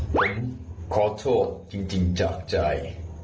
ผมขอโทษจริงจากใจ